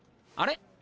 あれ？